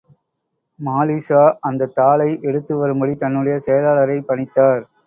மாலிக்ஷா, அந்தத் தாளை எடுத்து வரும்படி தன்னுடைய செயலாளரைப் பணித்தார்.